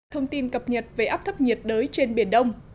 thông tin cập nhật về áp thấp nhiệt đới trên biển đông